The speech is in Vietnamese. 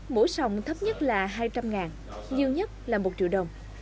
mỗi sòng thấp nhất là hai trăm linh ngàn nhiều nhất là một triệu đồng